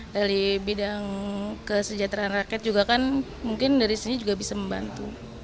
dari bidang kesejahteraan rakyat juga kan mungkin dari sini juga bisa membantu